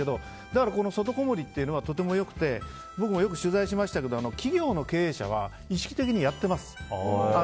だから、外こもりというのはとても良くて僕もよく取材しましたけど企業の経営者は意識的にやっています。